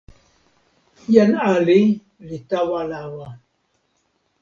jan ali li tawa lawa.